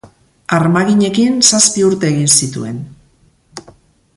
Armaginekin zazpi urte egin zituen.